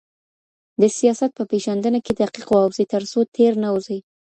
د سياست په پېژندنه کي دقيق واوسئ ترڅو تېر نه وځئ.